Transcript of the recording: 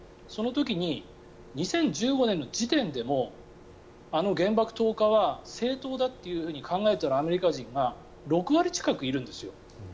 その時に２０１５年の時点でもあの原爆投下は正当だと考えたアメリカ人が６割近くいるんですよ。